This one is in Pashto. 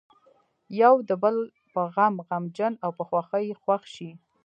یو د بل په غم غمجن او په خوښۍ یې خوښ شي.